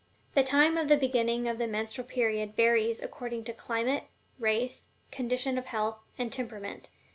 The time of the beginning of the menstrual period varies according to climate, race, condition of health, and temperament.